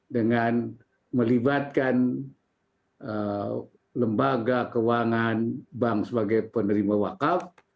dengan melibatkan lembaga keuangan bank sebagai penerima wakaf